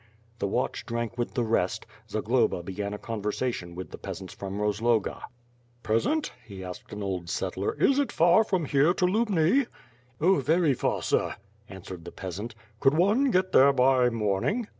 The watch drank with the rest — Zagloba began a conversa tion with the peasants from Rozloga. 'Teasant," he asked an old settler, "is it far from here to Lubni?" "Oh, very far, sir!" answered the peasant. "Could one get there by morning?"